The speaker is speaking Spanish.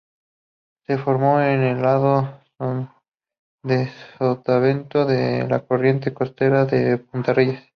Se forma en el lado de sotavento de la corriente costera de punta Reyes.